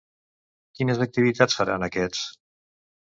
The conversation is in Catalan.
Quines activitats faran aquests?